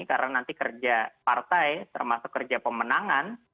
karena nanti kerja partai termasuk kerja pemenangan